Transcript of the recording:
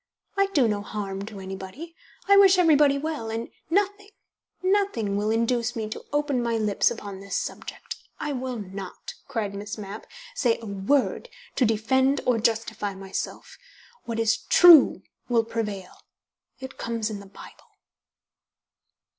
I do no harm to anybody, I wish everybody well, and nothing nothing will induce me to open my lips upon this subject. I will not," cried Miss Mapp, "say a word to defend or justify myself. What is true will prevail. It comes in the Bible."